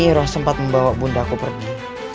nyiroh sempat membawa bunda aku pergi